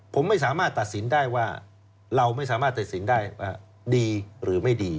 ผมไม่สามารถตัดสินได้ว่าเราไม่สามารถตัดสินได้ว่าดีหรือไม่ดี